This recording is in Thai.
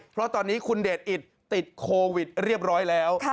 เพราะตอนนี้คุณเดชอิตติดโควิดเรียบร้อยแล้ว